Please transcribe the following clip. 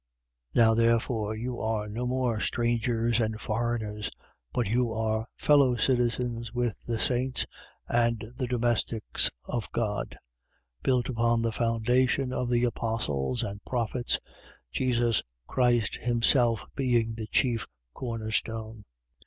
2:19. Now therefore you are no more strangers and foreigners: but you are fellow citizens with the saints and the domestics of God, 2:20. Built upon the foundation of the apostles and prophets, Jesus Christ himself being the chief corner stone: 2:21.